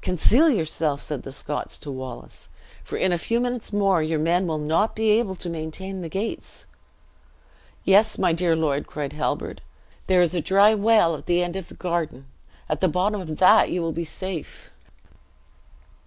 "Conceal yourself," said the Scots to Wallace; "for in a few minutes more your men will not be able to maintain the gates." "Yes, my dear lord," cried Halbert, "there is a dry well at the end of the garden; at the bottom of that you will be safe."